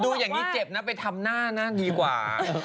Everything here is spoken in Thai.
ดูอย่างนี้เจ็บนะไปทำหน้านั่นดีกว่า